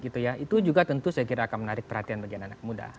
itu juga tentu saya kira akan menarik perhatian bagi anak muda